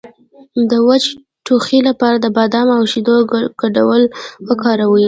د وچ ټوخي لپاره د بادام او شیدو ګډول وکاروئ